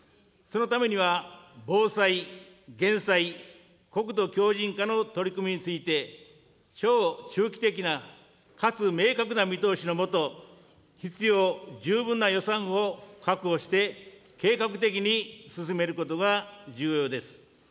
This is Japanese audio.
そのためには、防災・減災、国土強じん化の取り組みについて、長中期的なかつ明確な見通しの下、必要十分な予算を確保して計画的に進めることが重要です。